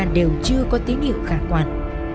đều chưa có tín hiệu khả quan